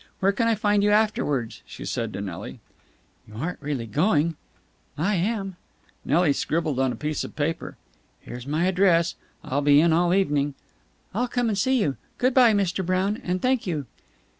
Where can I find you afterwards?" she said to Nelly. "You aren't really going?" "I am!" Nelly scribbled on a piece of paper. "Here's my address. I'll be in all evening." "I'll come and see you. Good bye, Mr. Brown. And thank you."